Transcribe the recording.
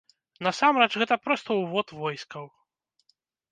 Насамрэч, гэта проста ўвод войскаў.